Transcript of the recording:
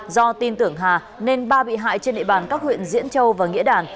do tin tưởng hà nên ba bị hại trên địa bàn các huyện diễn châu và nghĩa đản